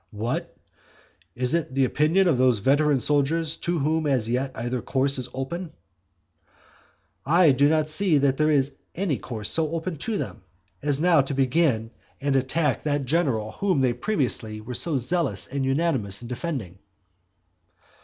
"What? is this the opinion of those veteran soldiers, to whom as yet either course is open?" I do not see that there is any course so open to them, as now to begin and attack that general whom they previously were so zealous and unanimous in defending.